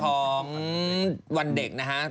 ของวันเด็กนะครับ